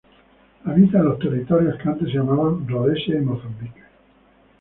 Habita en los territorios que antes se llamaban Rodesia y Mozambique.